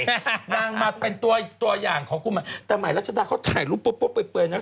นางมาเป็นตัวตัวอย่างของคุณใหม่แต่ใหม่รัชดาเขาถ่ายรูปปุ๊บเปื่อยนะ